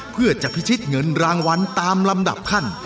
เพื่อจะพิชิตเงินรางวัลตามลำดับขั้น